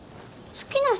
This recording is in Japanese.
好きな人？